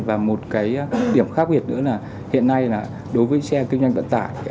và một cái điểm khác biệt nữa là hiện nay là đối với xe kinh doanh vận tải